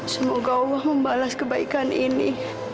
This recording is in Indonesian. semoga allah membalas kebaikan ini